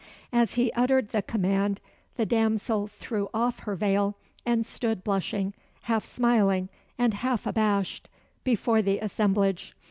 As he uttered the command, the damsel threw off her veil, and stood blushing, half smiling and half abashed, before the assemblage.